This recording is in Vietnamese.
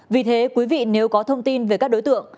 vì thế quý vị nếu có thông tin về các đối tượng